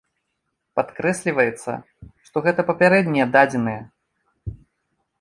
Падкрэсліваецца, што гэта папярэднія дадзеныя.